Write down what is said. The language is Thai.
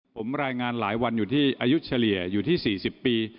ผมรายงานหลายวันอยู่ที่อายุเฉลี่ยอยู่ที่๔๐ปี